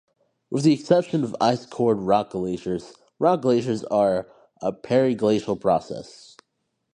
With the exception of ice-cored rock glaciers, rock glaciers are a periglacial process.